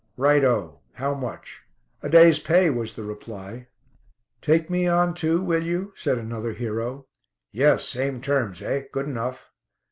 "Right o! How much?" "A day's pay," was the reply. "Take me on, too, will you?" said another hero. "Yes. Same terms, eh? Good enough."